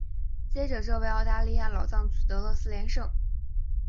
接着这位澳大利亚老将取得了四连胜。